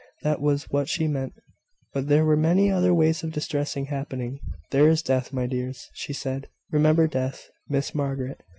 That was what she meant: but there were many other ways of distress happening. "There is death, my dears," she said. "Remember death, Miss Margaret."